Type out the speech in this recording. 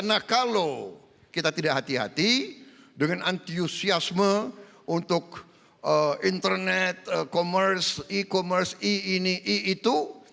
nah kalau kita tidak hati hati dengan antusiasme untuk internet e commerce e ini e itu